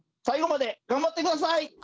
最後まで頑張って下さい！